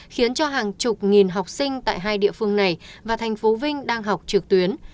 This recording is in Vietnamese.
khiến cho hàng chục nghìn học sinh tại hai địa phương này và thành phố vinh đang học trực tuyến